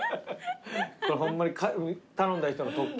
これホンマに頼んだ人の特権。